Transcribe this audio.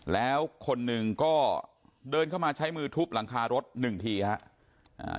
แล้วคนหนึ่งก็เดินเข้ามาใช้มือทุบหลังคารถหนึ่งทีครับ